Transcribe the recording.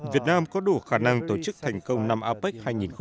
việt nam có đủ khả năng tổ chức thành công năm apec hai nghìn một mươi bảy